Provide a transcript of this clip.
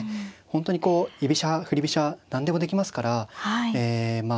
本当にこう居飛車振り飛車何でもできますからえま